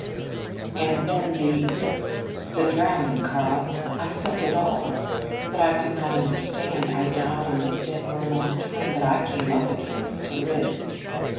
"And then the the drowning, Karl. I felt it all, but I could not understand. I died and was dead for a long time, but I came up again, to live.